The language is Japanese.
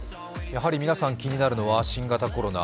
やはり皆さん気になるのは新型コロナ。